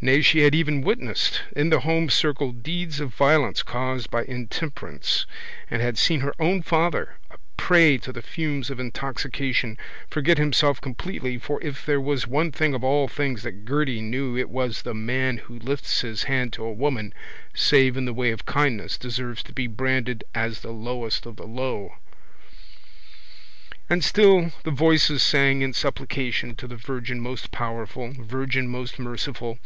Nay, she had even witnessed in the home circle deeds of violence caused by intemperance and had seen her own father, a prey to the fumes of intoxication, forget himself completely for if there was one thing of all things that Gerty knew it was that the man who lifts his hand to a woman save in the way of kindness, deserves to be branded as the lowest of the low. And still the voices sang in supplication to the Virgin most powerful, Virgin most merciful.